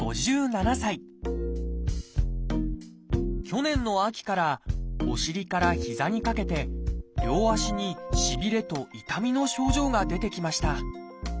去年の秋からお尻から膝にかけて両足にしびれと痛みの症状が出てきました。